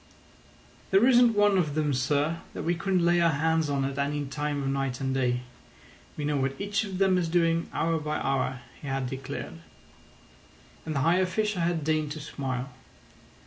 "There isn't one of them, sir, that we couldn't lay our hands on at any time of night and day. We know what each of them is doing hour by hour," he had declared. And the high official had deigned to smile.